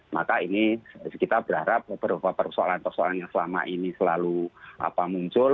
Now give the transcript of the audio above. maka ini kita berharap beberapa persoalan persoalan yang selama ini selalu muncul